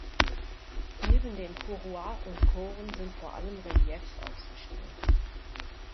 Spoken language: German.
Neben den Kouroi und Koren sind vor allem Reliefs ausgestellt.